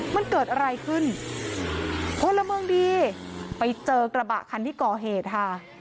มันเกิดอะไรขึ้นพลเมืองดีไปเจอกระบะคันที่ก่อเหตุค่ะ